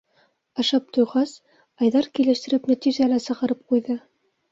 Ашап туйғас, Айҙар килештереп нәтижә лә сығарып ҡуйҙы: